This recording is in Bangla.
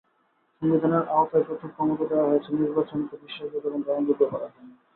সংবিধানের আওতায় প্রচুর ক্ষমতা দেওয়া হয়েছে নির্বাচনকে বিশ্বাসযোগ্য এবং গ্রহণযোগ্য করার জন্য।